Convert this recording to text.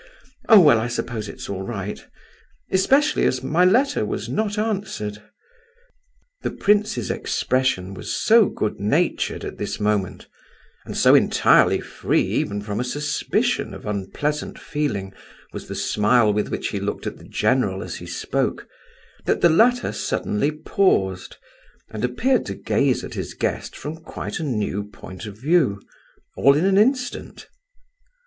Oh, well, I suppose it's all right; especially as my letter was not answered. Well, good bye, and forgive me for having disturbed you!" The prince's expression was so good natured at this moment, and so entirely free from even a suspicion of unpleasant feeling was the smile with which he looked at the general as he spoke, that the latter suddenly paused, and appeared to gaze at his guest from quite a new point of view, all in an instant.